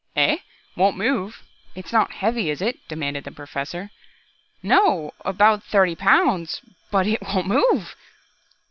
"Eh? Won't move? It's not heavy, is it?" demanded the Professor. "No about thirty pounds, but it wont move!"